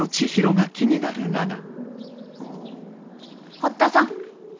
堀田さん